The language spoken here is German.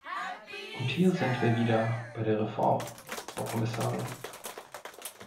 Und hier sind wir wieder bei der Reform, Frau Kommissarin.